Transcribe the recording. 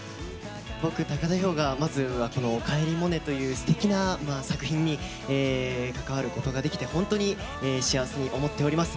僕田彪我はまずはこの「おかえりモネ」というすてきな作品に関わることができて本当に幸せに思っております。